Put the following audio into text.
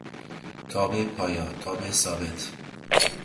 تابع پایا، تابع ثابت